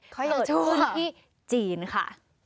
เกิดขึ้นที่จีนค่ะ